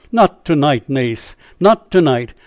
"Not to night, Nace! Not to night!